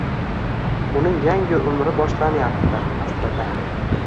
Uning yangi umri boshlanayapti aslida.